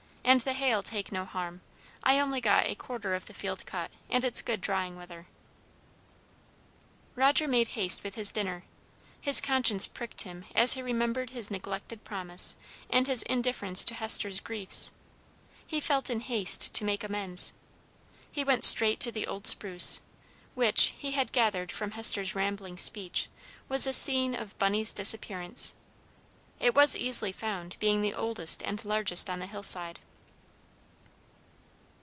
And the hay'll take no harm. I only got a quarter of the field cut, and it's good drying weather." Roger made haste with his dinner. His conscience pricked him as he remembered his neglected promise and his indifference to Hester's griefs; he felt in haste to make amends. He went straight to the old spruce, which, he had gathered from Hester's rambling speech, was the scene of Bunny's disappearance. It was easily found, being the oldest and largest on the hillside.